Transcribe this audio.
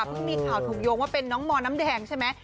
มีข่าวถูกโยงว่าเป็นน้องมน้ำแดงใช่ไหม